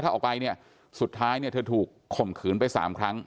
ถ้าออกไปเนี่ยสุดท้ายเนี่ยเธอถูกข่มขืนไปสามครั้ง